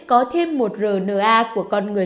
có thêm một rna của con người